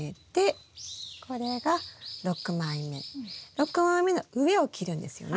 ６枚目の上を切るんですよね？